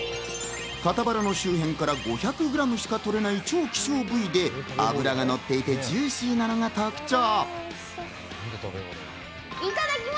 肩バラの周辺から５００グラムしか取れない超希少部位で脂がのっていて、ジューシーなのが特徴。